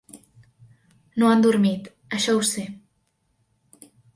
No han dormit, això ho sé.